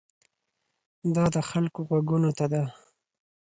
دا د خلکو غوږونو ته ده.